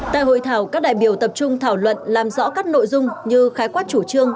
tại hội thảo các đại biểu tập trung thảo luận làm rõ các nội dung như khái quát chủ trương